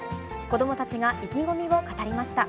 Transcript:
子どもたちが意気込みを語りました。